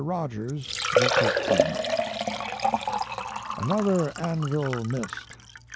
Rogers recouped them. Another anvil missed.